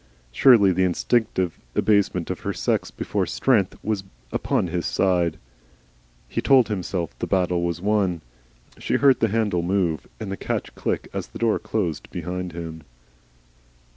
Surely the instinctive abasement of her sex before Strength was upon his side. He told himself that his battle was won. She heard the handle move and the catch click as the door closed behind him.